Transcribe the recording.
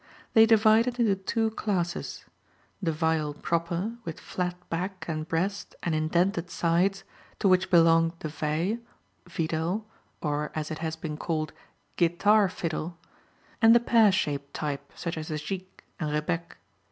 They divided into two classes the viol proper, with flat back and breast and indented sides, to which belonged the veille, videl, or as it has been called, guitar fiddle, and the pear shaped type, such as the gigue and rebec.